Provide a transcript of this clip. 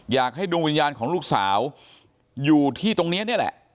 อยากให้ดวงวิญญาณของลูกสาวอยู่ที่ตรงนี้นี่แหละ